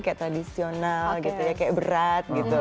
kayak tradisional gitu ya kayak berat gitu